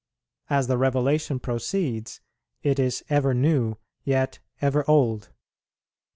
As the Revelation proceeds, it is ever new, yet ever old. St.